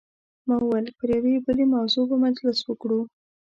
ما وویل پر یوې بلې موضوع به مجلس وکړو.